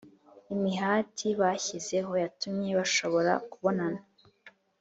Imihati bashyizeho yatumye bashobora kubonana.